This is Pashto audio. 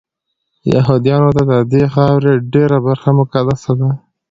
یهودانو ته ددې خاورې ډېره برخه مقدسه ده.